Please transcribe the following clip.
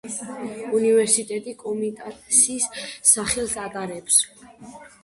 უნივერსიტეტი კომიტასის სახელს ატარებს.